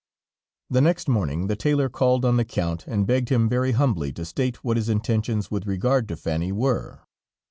The next morning, the tailor called on the Count, and begged him very humbly to state what his intentions with regard to Fanny were.